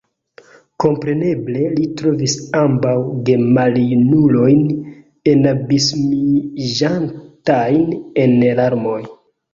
Kompreneble li trovis ambaŭ gemaljunulojn enabismiĝantajn en larmoj.